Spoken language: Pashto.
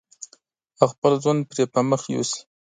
او خپل ژوند پرې پرمخ يوسي.